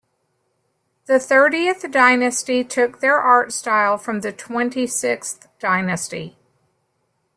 The Thirtieth Dynasty took their art style from the Twenty-Sixth Dynasty.